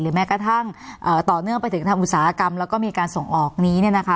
แม้กระทั่งต่อเนื่องไปถึงทางอุตสาหกรรมแล้วก็มีการส่งออกนี้เนี่ยนะคะ